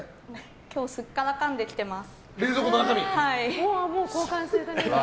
今日、すっからかんで来てます。